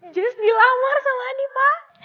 jess dilamar sama adi pak